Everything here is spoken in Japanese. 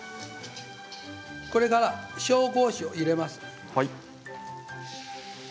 これから紹興酒を入れます。